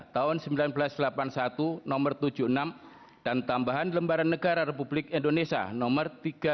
tahun seribu sembilan ratus delapan puluh satu nomor tujuh puluh enam dan tambahan lembaran negara republik indonesia nomor tiga